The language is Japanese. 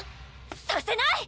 させない！